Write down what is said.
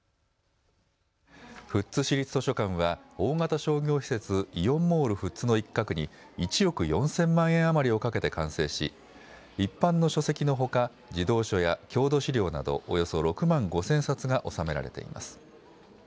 富津市立図書館は大型商業施設、イオンモール富津の一角に１億４０００万円余りをかけて完成し一般の書籍のほか児童書や郷土資料などおよそ６万５０００冊が収められています。